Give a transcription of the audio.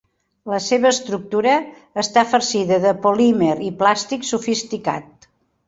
La seva estructura està farcida de polímer i plàstic sofisticat.